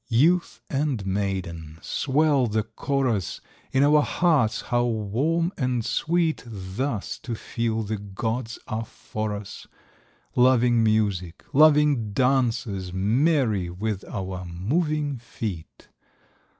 Youth and maiden, swell the chorus 1 In our hearts how warm and sweet Thus to feel the gods are for us. Loving music, loving dances. Merry with our moving feet